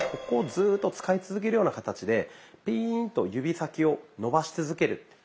ここをずっと使い続けるような形でピーンと指先を伸ばし続ける。